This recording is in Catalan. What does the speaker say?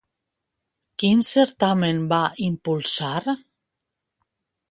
Quin certamen va impulsar?